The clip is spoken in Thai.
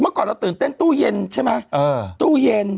เมื่อก่อนเราตื่นเต้นตู้เย็นใช่ไหมตู้เย็น